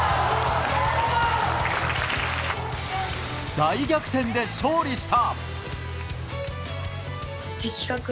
大逆転で勝利した！